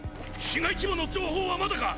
被害規模の情報はまだか？